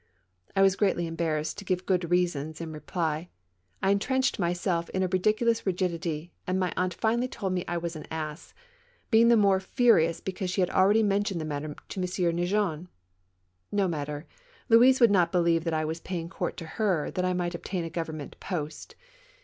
I was greatly embarrassed to give good reasons in reply; I entrenched myself in a ridiculous rigidity, and my aunt finally told me I was an ass, being the more furious because she had already mentioned the matter to M. Neigeon. No matter! Louise would not believe that I was paying court to her that I might obtain a Govern ment post.